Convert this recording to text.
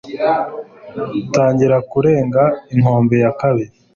tangira kurenga inkombe ya kabiri